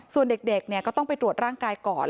ส่วนเด็กก็ต้องไปตรวจร่างกายก่อน